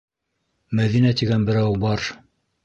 Мәҙинә тигән берәү бар.